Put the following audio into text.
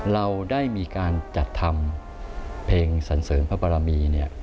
เราได้มีการจัดทำเพลงสันเสริมพระบารมี